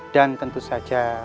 dan tentu saja